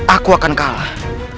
aku akan kalah